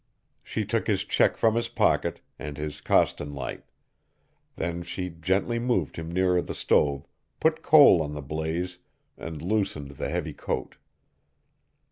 She took his check from his pocket, and his Coston light. Then she gently moved him nearer the stove, put coal on the blaze, and loosened the heavy coat.